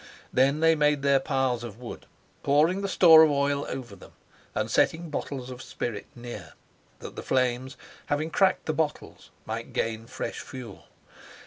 Then they made their piles of wood, pouring the store of oil over them, and setting bottles of spirit near, that the flames having cracked the bottles, might gain fresh fuel.